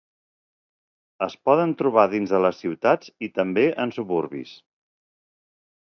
Es poden trobar dins de les ciutats i també en suburbis.